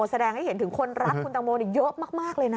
แสดงให้เห็นถึงคนรักคุณตังโมเยอะมากเลยนะ